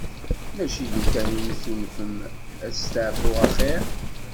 Mačči lukan iyi-tunfem ad staɛfuɣ axir?